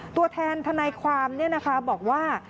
ตัวแทนทนายความบอกว่า